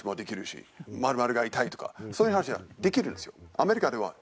アメリカでは。